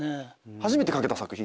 初めて書けた作品？